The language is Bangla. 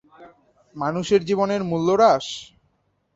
মানুষের জীবনের মূল্য হ্রাস?